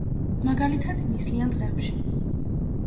მაგალითად, ნისლიან დღეებში.